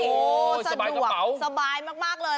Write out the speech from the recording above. โอ้โหสบายกระเป๋าสบายมากเลย